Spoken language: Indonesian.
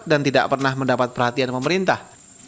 dan tidak pernah mendapat perhatian pemerintah